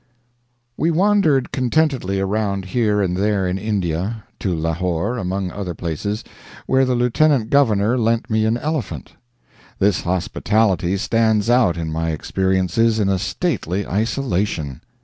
We wandered contentedly around here and there in India; to Lahore, among other places, where the Lieutenant Governor lent me an elephant. This hospitality stands out in my experiences in a stately isolation.